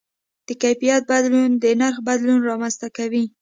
د کیفیت بدلون د نرخ بدلون رامنځته کوي.